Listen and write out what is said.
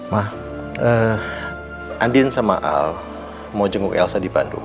ma andi sama al mau jenguk elsa di bandung